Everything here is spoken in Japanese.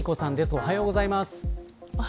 おはようございます。